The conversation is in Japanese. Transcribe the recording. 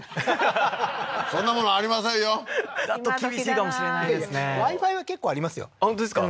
ははははっそんなものありませんよだと厳しいかもしれないですねＷｉ−Ｆｉは結構ありますよ本当ですか？